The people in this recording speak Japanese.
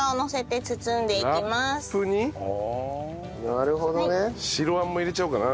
なるほどね。